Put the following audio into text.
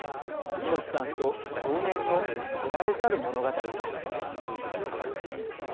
猪木さんと少年の知られざる物語です。